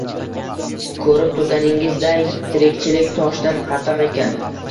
Ko‘rib turganingizday, tirikchilik toshdan qattiq ekan